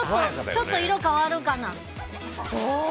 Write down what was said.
ちょっと色変わるかな。